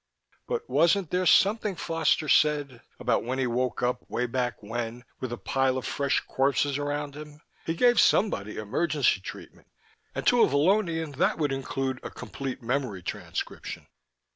But wasn't there something Foster said ... about when he woke up, way back when, with a pile of fresh corpses around him? He gave somebody emergency treatment and to a Vallonian that would include a complete memory transcription....